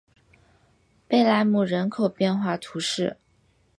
贝莱姆人口变化图示